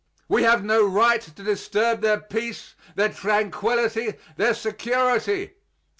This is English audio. We have no right to disturb their peace, their tranquillity, their security.